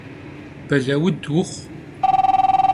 Belaud vuxhu!